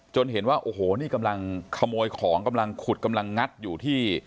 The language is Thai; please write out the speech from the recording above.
เห็นว่าโอ้โหนี่กำลังขโมยของกำลังขุดกำลังงัดอยู่ที่